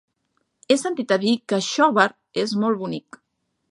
He sentit a dir que Xóvar és molt bonic.